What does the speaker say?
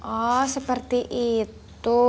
oh seperti itu